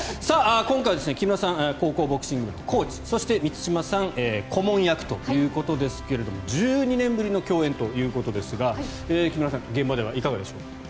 今回、木村さんは高校ボクシング部のコーチそして満島さん顧問役ということですが１２年ぶりの共演ということですが木村さん、現場ではいかがでしょう。